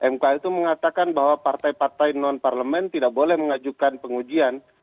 mk itu mengatakan bahwa partai partai non parlemen tidak boleh mengajukan pengujian